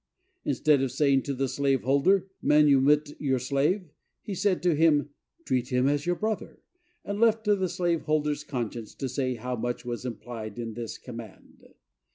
Instead of saying to the slave holder, "manumit your slave," it said to him. "treat him as your brother," and left to the slave holder's conscience to say how much was implied in this command.